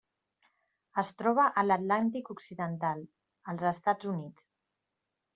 Es troba a l'Atlàntic occidental: els Estats Units.